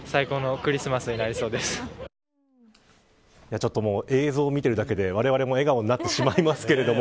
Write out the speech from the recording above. ちょっと、映像を見てるだけでわれわれも笑顔になってしまいますけども。